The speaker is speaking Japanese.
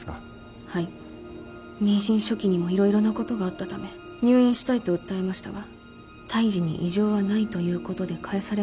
妊娠初期にも色々なことがあったため入院したいと訴えましたが胎児に異常はないということで帰されました。